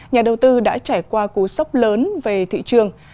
nhà đầu tư đã trải qua cú sốc lớn về thị trường